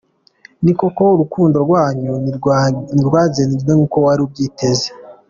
Ni koko, urukundo rwanyu ntirwagenze nk’uko wari ubyiteze.